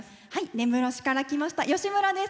根室市から来ましたよしむらです。